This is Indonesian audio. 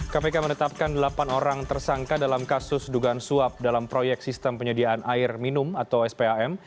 kpk menetapkan delapan orang tersangka dalam kasus dugaan suap dalam proyek sistem penyediaan air minum atau spam